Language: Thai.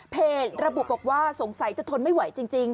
ระบุบอกว่าสงสัยจะทนไม่ไหวจริง